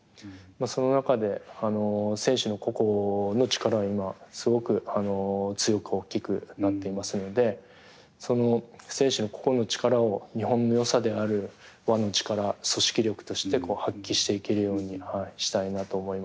まあその中で選手の個々の力は今すごく強く大きくなっていますのでその選手の個々の力を日本のよさである和の力組織力として発揮していけるようにしたいなと思いますね。